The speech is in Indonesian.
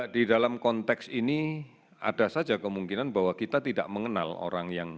di dalam konteks ini ada saja kemungkinan bahwa kita tidak akan berkonsultasi dengan dokter